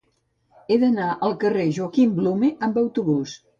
He d'anar al carrer de Joaquim Blume amb autobús.